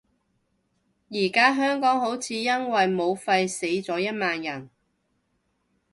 而家香港好似因為武肺死咗一萬人